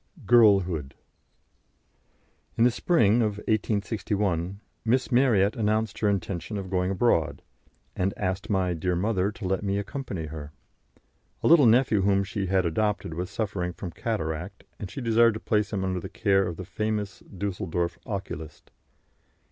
GIRLHOOD. In the spring of 1861 Miss Marryat announced her intention of going abroad, and asked my dear mother to let me accompany her. A little nephew whom she had adopted was suffering from cataract, and she desired to place him under the care of the famous Düsseldorf oculist.